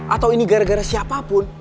atau ini gara gara siapapun